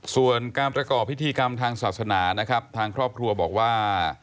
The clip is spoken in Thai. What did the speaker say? ส่วนการประกอบพิธีกรรมทางศาสนานะครับทางครอบครัวบอกว่า